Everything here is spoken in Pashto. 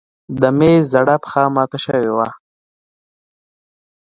د مېز زاړه پښه مات شوې وه.